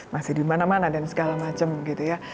masih dimana mana dan segala macem gitu ya